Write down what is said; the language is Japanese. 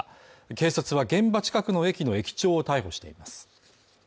警察は現場近くの駅の駅長を逮捕しています。